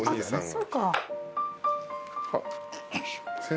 そうか。